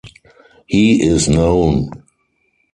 He is known.